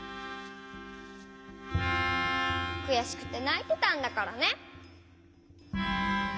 くやしくてないてたんだからね。